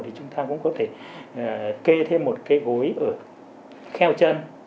thì chúng ta cũng có thể kê thêm một cái gối ở kheo chân